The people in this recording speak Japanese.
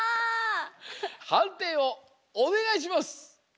はんていをおねがいします！